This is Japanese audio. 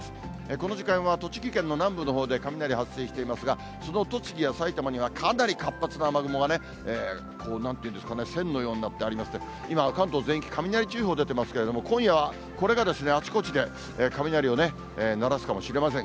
この時間は栃木県の南部のほうで雷発生していますが、その栃木や埼玉には、かなり活発な雨雲がなんて言うんですかね、線のようになってありまして、今は関東全域、雷注意報出てますけれども、今夜はこれがあちこちで、雷を鳴らすかもしれません。